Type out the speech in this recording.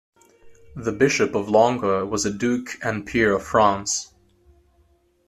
The Bishop of Langres was a duke and peer of France.